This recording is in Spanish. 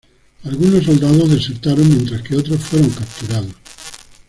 Algunos soldados desertaron mientras que otros fueron capturados.